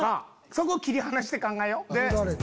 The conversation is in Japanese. そこ切り離して考えよ。